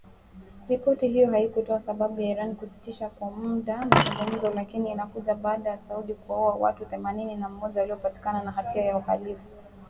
Ripoti hiyo haikutoa sababu ya Iran kusitisha kwa muda mazungumzo, lakini inakuja baada ya Saudi kuwaua watu themanini na mmoja waliopatikana na hatia ya uhalifu.